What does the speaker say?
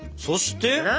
そして？